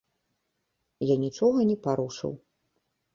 Я нічога не парушыў.